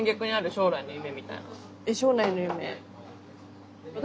将来の夢。